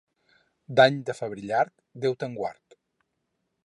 D'any de febrer llarg, Déu te'n guard.